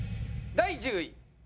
第１０位。